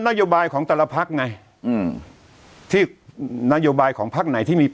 นโยบายของแต่ละพักไงอืมที่นโยบายของพักไหนที่มี